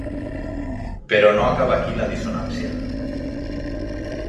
Però no acaba aquí la dissonància.